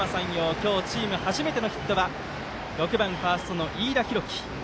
今日チーム初めてのヒットは６番、ファーストの飯田大貴。